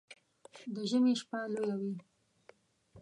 د ژمي شپه لويه وي